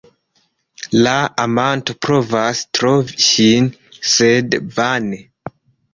La amanto provas trovi ŝin, sed vane.